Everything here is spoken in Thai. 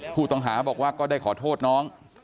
ผู้ต้องหาบอกว่าก็ได้ขอโทษน้อง